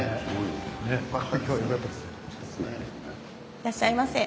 いらっしゃいませ。